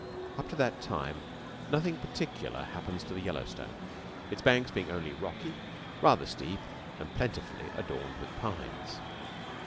Up to that time nothing particular happens to the Yellowstone its banks being only rocky, rather steep, and plentifully adorned with pines.